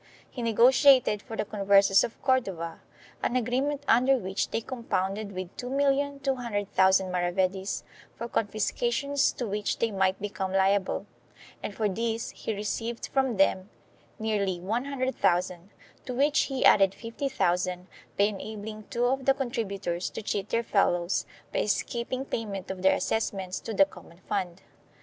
He negotiated for the Converses of Cordova an agreement under which they compounded with 2,200,000 maravedis for confiscations to which they might become liable, and for this he received from them nearly 100,000, to which he added 50,000 by enabling two of the contributors to cheat their fellows by escaping payment of their assessments to the common fund.